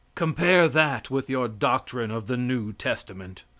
Compare that with your doctrine of the new testament!